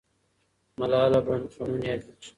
ملاله په نوم یادېږي.